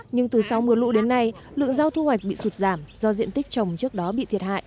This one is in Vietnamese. nhưng từ sau mưa lũ đến nay lượng rau thu hoạch bị sụt giảm do diện tích trồng trước đó bị thiệt hại